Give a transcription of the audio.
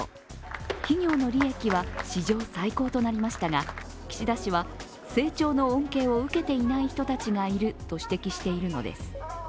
企業の利益は史上最高となりましたが岸田氏は成長の恩恵を受けていない人たちがいると指摘しているのです。